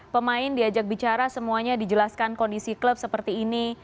pemain diajak bicara semuanya dijelaskan kondisi klub seperti ini